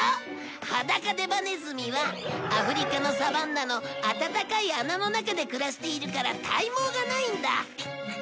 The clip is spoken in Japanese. ハダカデバネズミはアフリカのサバンナの暖かい穴の中で暮らしているから体毛がないんだ。